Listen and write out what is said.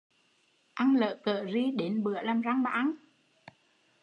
Ăn lở cỡ ri đến bữa làm răng mà ăn?